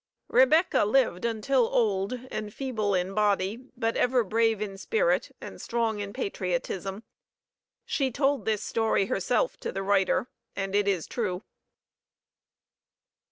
Rebecca lived until old and feeble in body, but ever brave in spirit and strong in patriotism, she told this story herself to the writer, and it is true.